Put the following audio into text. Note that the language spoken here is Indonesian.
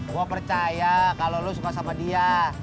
gue percaya kalau lo suka sama dia